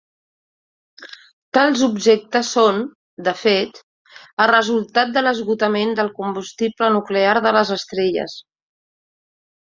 Tals objectes són, de fet, el resultat de l'esgotament del combustible nuclear de les estrelles.